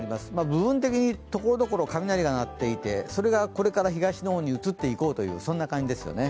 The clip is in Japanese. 部分的に所々、雷が鳴っていてそれがこれから東の方に移っていこうという感じですね。